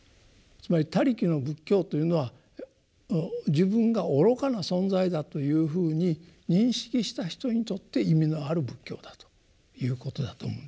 つまり「他力」の仏教というのは自分が愚かな存在だというふうに認識した人にとって意味のある仏教だということだと思うんですね。